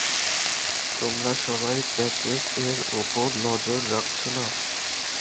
তোমরা সবাই প্যাকেজ এর উপর নজর রাখছো না?